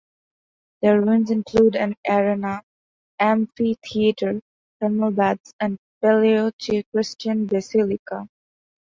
The ruins include an arena, amphitheatre, thermal baths, and paleochristian basilica.